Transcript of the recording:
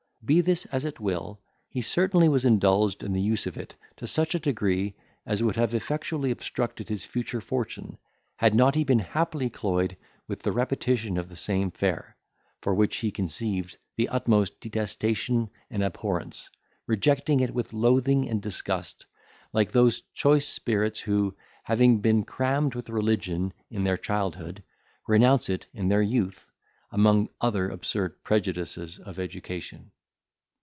Be this as it will, he certainly was indulged in the use of it to such a degree as would have effectually obstructed his future fortune, had not he been happily cloyed with the repetition of the same fare, for which he conceived the utmost detestation and abhorrence, rejecting it with loathing and disgust, like those choice spirits, who, having been crammed with religion in their childhood, renounce it in their youth, among other absurd prejudices of education.